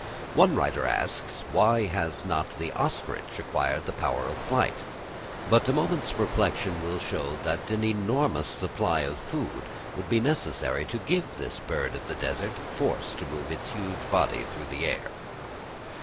One writer asks, why has not the ostrich acquired the power of flight? But a moment's reflection will show what an enormous supply of food would be necessary to give to this bird of the desert force to move its huge body through the air.